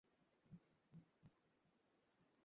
তিনি ভারতের অন্তর্বর্তী সরকারেও মন্ত্রীত্ব করেন।